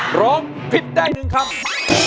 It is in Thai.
พร้อมพิ้นได้หนึ่งคำ